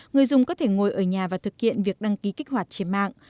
người dùng có thể ngồi ở nhà và thực hiện việc đăng ký kích hoạt trên mạng